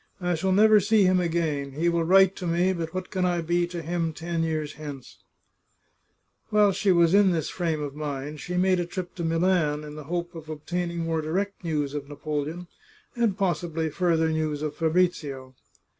" I shall never see him again ! He will write to me, but what can I be to him ten years hence ?" While she was in this frame of mind she made a trip to Milan, in the hope of obtaining more direct news of Napoleon, and possibly further news of Fabrizio.